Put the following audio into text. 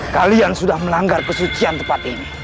kalian sudah melanggar kesucian tempat ini